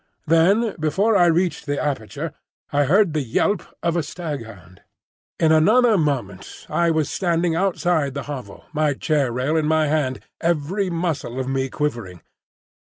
Then before I reached the aperture I heard the yelp of a staghound. In another moment I was standing outside the hovel, my chair rail in my hand, every muscle of me quivering.